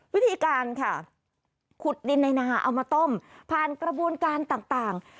วิธีการค่ะขุดดินในนาเอามาต้มผ่านกระบวนการต่าง